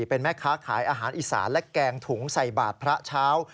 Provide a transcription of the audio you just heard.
เป็นแม่ค้าขายอาหารอีสานและแกงถุงใส่บาทพระเช้า